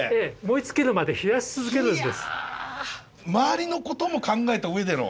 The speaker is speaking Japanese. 周りのことも考えた上での。